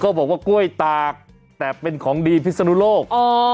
บอกว่ากล้วยตากแต่เป็นของดีพิศนุโลก